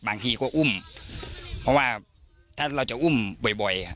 บางทีก็อุ้มเพราะว่าถ้าเราจะอุ้มบ่อย